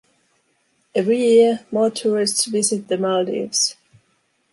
Every year, more tourists visit the Maldives.